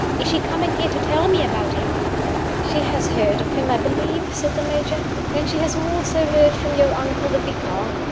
"Is she coming here to tell me about him?" "She has heard from him, I believe," said the Major, "and she has also heard from your uncle the vicar.